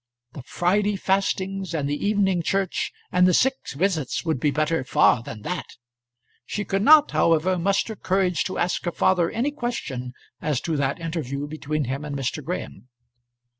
The Friday fastings and the evening church and the sick visits would be better far than that. She could not however muster courage to ask her father any question as to that interview between him and Mr. Graham.